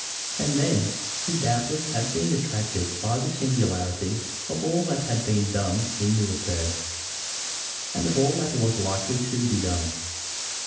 And then he doubtless had been attracted by the singularity of all that had been done in the affair, and of all that was likely to be done.